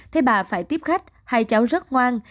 thế bà phải tiếp khách hai cháu rất ngoan